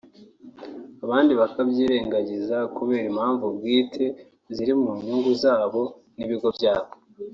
abandi bakabyirengagiza kubera impamvu bwite ziri mu nyungu zabo n’ibigo byabo